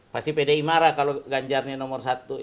pasti pdi marah kalau ganjar ini nomor satu